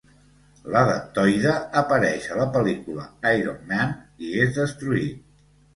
L'Adaptoide apareix a la pel·lícula "Iron Man" i es destruït.